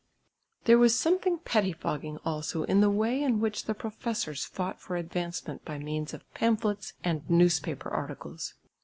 There was something pettifogging also in the way in which the professors fought for advancement by means of pamphlets and newspaper articles.